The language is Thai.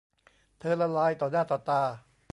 เธอละลายต่อหน้าต่อตา